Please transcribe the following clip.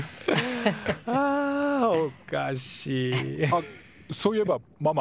あっそういえばママ。